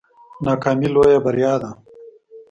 ناکامي لویه بریا ده